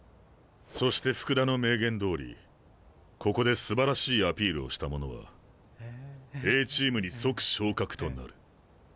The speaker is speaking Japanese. そして福田の明言どおりここですばらしいアピールをした者はＡチームに即昇格となる。